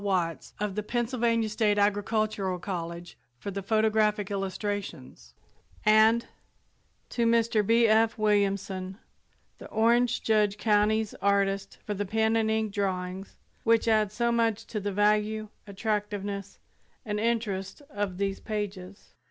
Watts of the Pennsylvania State Agricultural College, for the photographic illustrations, and to Mr. B. F. Williamson, the Orange Judd Co.'s artist, for the pen and ink drawings which add so much to the value, attractiveness and interest of these pages.